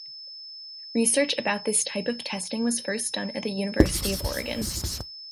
Research about this type of testing was first done at the University of Oregon.